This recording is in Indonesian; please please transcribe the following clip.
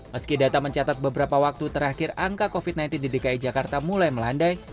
meski data mencatat beberapa waktu terakhir angka covid sembilan belas di dki jakarta mulai melandai